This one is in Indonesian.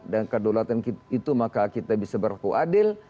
dan kedaulatan itu maka kita bisa berkuadil